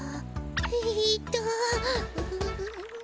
えっとん。